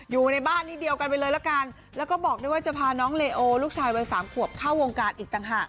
อยู่ในบ้านที่เดียวกันไปเลยละกันแล้วก็บอกด้วยว่าจะพาน้องเลโอลูกชายวัยสามขวบเข้าวงการอีกต่างหาก